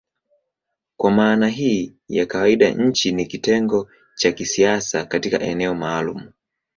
Kwa maana hii ya kawaida nchi ni kitengo cha kisiasa katika eneo maalumu.